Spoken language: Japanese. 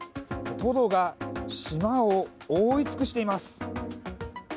トドが島を覆い尽くしています。